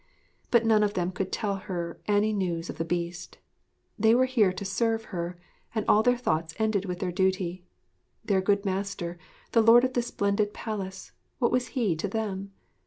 But none of them could tell her any news of the Beast. They were here to serve her, and all their thoughts ended with their duty. Their good master the lord of this splendid palace what was he to them?